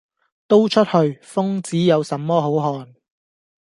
「都出去！瘋子有什麼好看！」